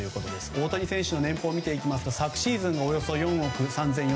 大谷選手の年俸を見ていきます昨シーズン４億３４００万円